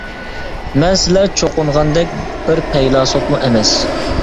مەن سىلەر چوقۇنغاندەك بىر پەيلاسوپمۇ ئەمەس.